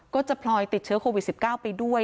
พลอยติดเชื้อโควิด๑๙ไปด้วย